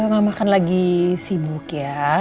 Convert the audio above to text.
mama kan lagi sibuk ya